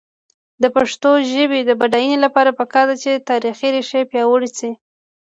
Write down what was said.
د پښتو ژبې د بډاینې لپاره پکار ده چې تاریخي ریښې پیاوړې شي.